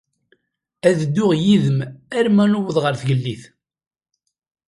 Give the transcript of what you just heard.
Ad dduɣ yid-m arma nuweḍ ɣer tleggit.